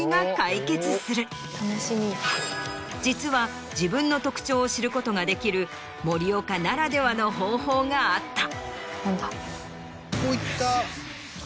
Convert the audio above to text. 実は自分の特徴を知ることができる森岡ならではの方法があった。